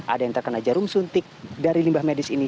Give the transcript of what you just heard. ada yang terkena jarum suntik dari limbah medis ini